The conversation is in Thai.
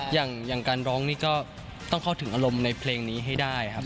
อย่างการร้องนี่ก็ต้องเข้าถึงอารมณ์ในเพลงนี้ให้ได้ครับ